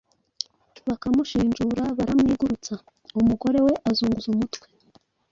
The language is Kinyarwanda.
bakamushinjura baramwigurutsa, umugore we azunguza umutwe